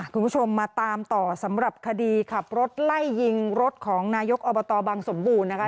คุณผู้ชมมาตามต่อสำหรับคดีขับรถไล่ยิงรถของนายกอบตบังสมบูรณ์นะคะ